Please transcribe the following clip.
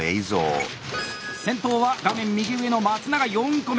先頭は画面右上の松永４個目。